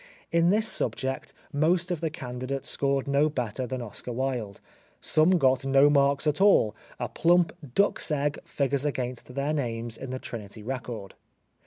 In this subject most of the candidates scored no better than Oscar Wilde, some got no marks at all, a plump duck's egg figures against their names in the Trinity record.